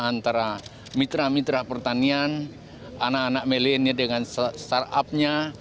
antara mitra mitra pertanian anak anak milenial dengan startupnya